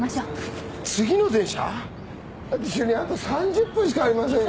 だって主任あと３０分しかありませんよ？